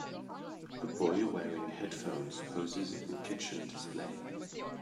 a boy wearing headphones poses in kitchen display